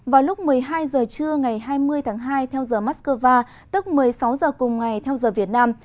vào lúc một mươi hai h trưa ngày hai mươi tháng hai theo giờ moscow tức một mươi sáu h cùng ngày theo giờ việt nam